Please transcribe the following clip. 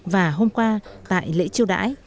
và hôm qua tại lễ chiêu đãi